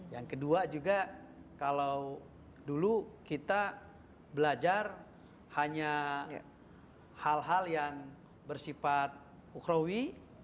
yang kedua juga kalau dulu kita belajar hanya hal hal yang bersifat ukrawi